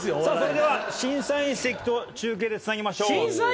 さあそれでは審査員席と中継でつなぎましょう。